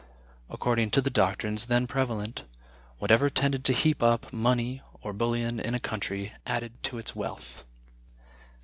According to the doctrines then prevalent, whatever tended to heap up money or bullion in a country added to its wealth.